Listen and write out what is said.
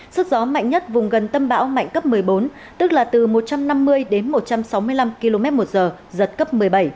sức gió mạnh nhất vùng gần tâm bão mạnh cấp một mươi bốn tức là từ một trăm năm mươi đến một trăm sáu mươi năm km một giờ giật cấp một mươi bảy